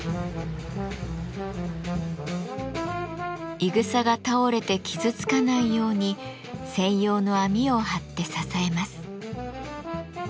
いぐさが倒れて傷つかないように専用の網を張って支えます。